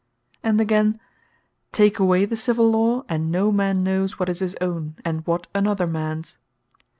And again; "Take away the Civill Law, and no man knows what is his own, and what another mans."